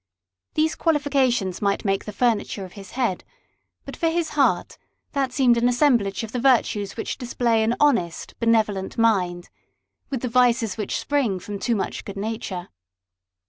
These qualifications might make the furniture of his head ; but for his heart, that seemed an assemblage of the virtues which display an honest benevolent mind, with the vices which spring from too much good nature.